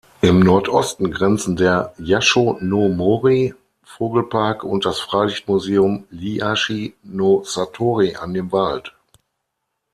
Im Nordosten grenzen der "Yasho-no-mori"-Vogelpark und das Freilichtmuseum Iyashi-no-satori an den Wald.